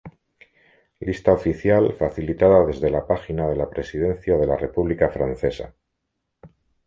Lista oficial facilitada desde la página de la Presidencia de la República Francesa.